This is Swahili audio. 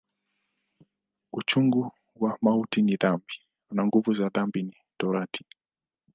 Uchungu wa mauti ni dhambi, na nguvu za dhambi ni Torati.